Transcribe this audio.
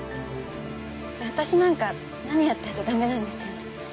私なんか何やったって駄目なんですよね。